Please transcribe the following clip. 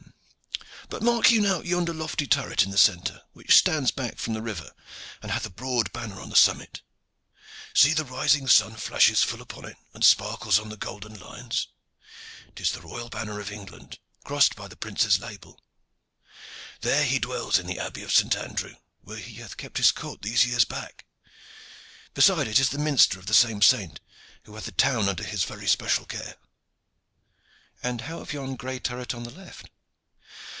But mark you now yonder lofty turret in the centre, which stands back from the river and hath a broad banner upon the summit. See the rising sun flashes full upon it and sparkles on the golden lions. 'Tis the royal banner of England, crossed by the prince's label. There he dwells in the Abbey of St. Andrew, where he hath kept his court these years back. Beside it is the minster of the same saint, who hath the town under his very special care." "And how of yon gray turret on the left?"